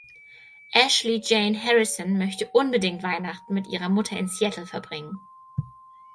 Ashley Jane Harrison möchte unbedingt Weihnachten mit ihrer Mutter in Seattle verbringen.